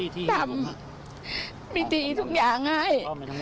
ทำพิธีทุกอย่างให้